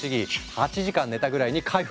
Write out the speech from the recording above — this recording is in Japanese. ８時間寝たぐらいに回復。